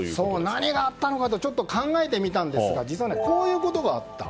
何があったのかとちょっと考えてみたんですが実はこういうことがあった。